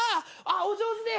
お上手で！